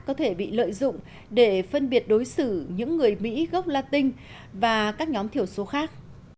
có thể bị lợi dụng để phân biệt đối xử những người mỹ gốc latin và các nhóm thiểu số khác